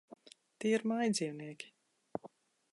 Tie ir mājdzīvnieki.